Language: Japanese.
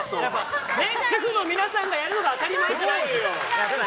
主婦の皆さんがやるは当たり前じゃないんですよ。